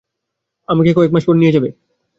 আমাকে কয়েক মাস পর নিয়ে যাবে।